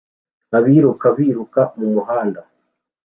Abiruka biruka mumuhanda